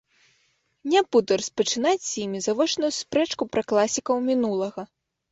Не буду распачынаць з імі завочную спрэчку пра класікаў мінулага.